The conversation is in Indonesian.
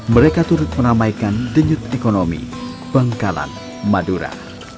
mereka turut menamaikan denyut ekonomi bengkalan madura